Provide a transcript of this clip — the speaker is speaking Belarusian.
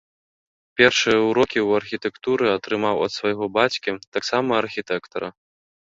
Першыя ўрокі ў архітэктуры атрымаў ад свайго бацькі, таксама архітэктара.